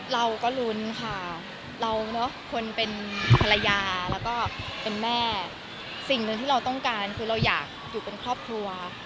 เราก็ลุ้นค่ะเราเนอะคนเป็นภรรยาแล้วก็เป็นแม่สิ่งหนึ่งที่เราต้องการคือเราอยากอยู่เป็นครอบครัว